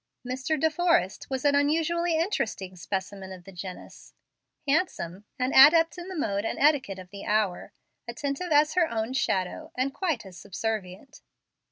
Mr. De Forrest was an unusually interesting specimen of the genus, handsome, an adept in the mode and etiquette of the hour, attentive as her own shadow, and quite as subservient.